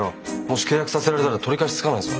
もし契約させられたら取り返しつかないぞ。